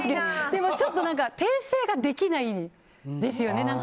でも、ちょっと訂正ができないんですよね。